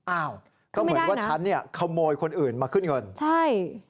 อ้าวก็เหมือนว่าฉันเนี่ยขโมยคนอื่นมาขึ้นเงินใช่